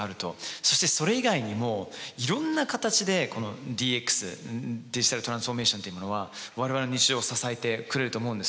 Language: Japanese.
そしてそれ以外にもいろんな形でこのＤＸデジタルトランスフォーメーションというものは我々の日常を支えてくれると思うんですよ。